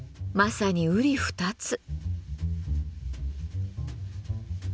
まさにうり二つ。